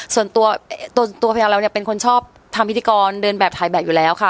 ส่วนตัวตัวตัวแปงูแล้วเป็นคนชอบทำพิทิกรเดินแบบถ่ายแบบอยู่แล้วค่ะ